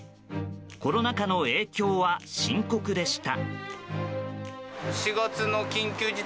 コロナ禍の影響は深刻でした。